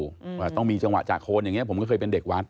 ว่าต้องมีจังหวะจากโคนอย่างเงี้ผมก็เคยเป็นเด็กวัด